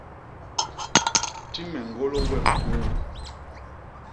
Ti me ñgôlô wem uu.